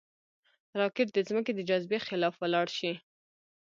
راکټ د ځمکې د جاذبې خلاف ولاړ شي